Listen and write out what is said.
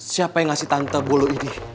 siapa yang ngasih tante bulu ini